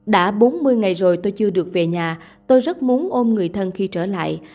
đã bốn mươi ngày rồi tôi chưa được về nhà tôi rất muốn ôm người thân khi trở lại